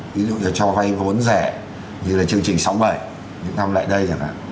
ví dụ như cho vay vốn rẻ như là chương trình sáu mươi bảy những năm lại đây chẳng hạn